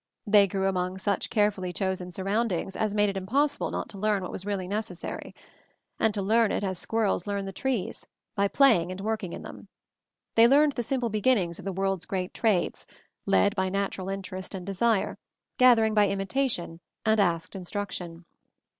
They grew among such carefully chosen surroundings as made it impossible not to learn what was really necessary; and to learn it as squirrels learn the trees — by playing and working in them. They learned the simple beginnings of the world's great trades, led by natural interest and desire, gathering by imitation and asked instruction.